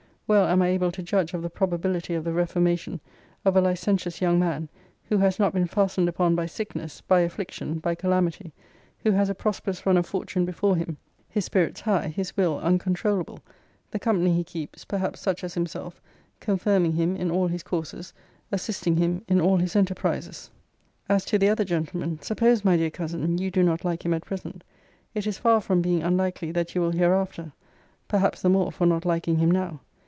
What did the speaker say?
Well am I able to judge of the probability of the reformation of a licentious young man, who has not been fastened upon by sickness, by affliction, by calamity: who has a prosperous run of fortune before him: his spirits high: his will uncontroulable: the company he keeps, perhaps such as himself, confirming him in all his courses, assisting him in all his enterprises. As to the other gentleman, suppose, my dear cousin, you do not like him at present, it is far from being unlikely that you will hereafter: perhaps the more for not liking him now.